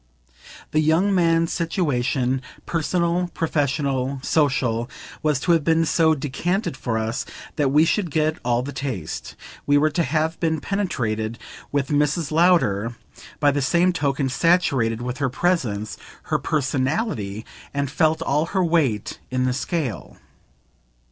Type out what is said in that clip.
The young man's situation, personal, professional, social, was to have been so decanted for us that we should get all the taste; we were to have been penetrated with Mrs. Lowder, by the same token, saturated with her presence, her "personality," and felt all her weight in the scale.